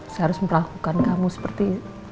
saya harus melakukan kamu seperti